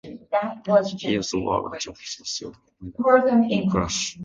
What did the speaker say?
He also has a World Championship silver medal in kurash.